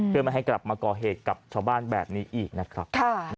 เพื่อไม่ให้กลับมาก่อเหตุกับชาวบ้านแบบนี้อีกนะครับ